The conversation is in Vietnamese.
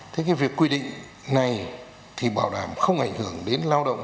thế cái việc quy định này thì bảo đảm không ảnh hưởng đến lao động